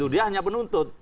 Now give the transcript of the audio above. dia hanya penuntut